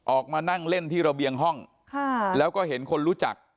ออกมานั่งเล่นที่ระเบียงห้องแล้วก็เห็นคนรู้จัก